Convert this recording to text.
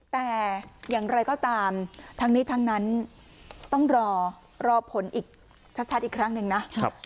แต่อย่างไรก็ตามทั้งนี้ทั้งนั้นต้องรอรอผลอีกชัดอีกครั้งหนึ่งนะ